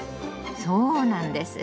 そうなんです。